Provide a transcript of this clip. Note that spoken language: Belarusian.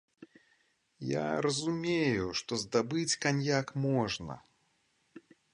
Я разумею, што здабыць каньяк можна.